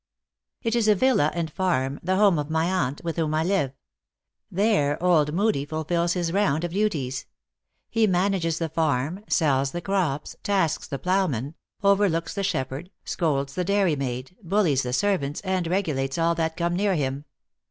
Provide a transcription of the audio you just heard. " It is a villa and farm, the home of my aunt, with whom I live. There old Moodie fulfills his round of duties. He manages the farm, sells the crops, tasks the ploughmen, overlooks the shepherd, scolds the dairymaid, bullies the servants, and regulates all that come near him.